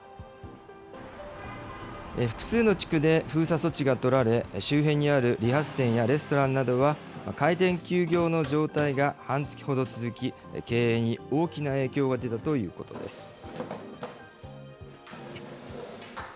複数の地区で封鎖措置が取られ、周辺にある理髪店やレストランなどは、開店休業の状態が半月ほど続き、経営に大きな影響が出たということです。